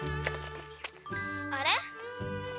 あれ？